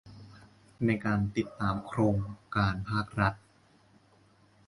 ในการติดตามโครงการภาครัฐ